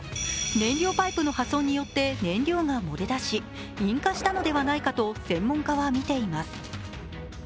燃料パイプの破損によって燃料が漏れ出し、引火したのではないかと専門家は見ています。